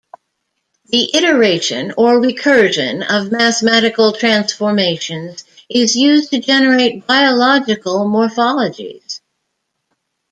The iteration, or recursion, of mathematical transformations is used to generate biological morphologies.